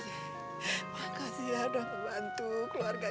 makasih ya bang bantu keluarga